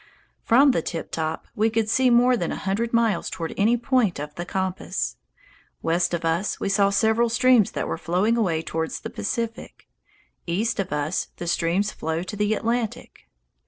From the tip top we could see more than a hundred miles toward any point of the compass. West of us we saw several streams that were flowing away toward the Pacific; east of us the streams flowed to the Atlantic.